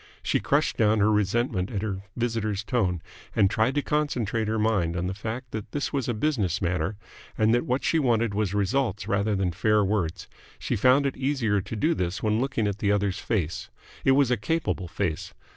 She crushed down her resentment at her visitor's tone, and tried to concentrate her mind on the fact that this was a business matter and that what she wanted was results rather than fair words. She found it easier to do this when looking at the other's face. It was a capable face.